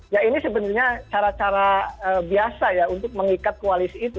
ya ini sebenarnya cara cara biasa ya untuk mengikat koalisi itu